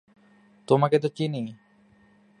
তোমাকে তো চিনি।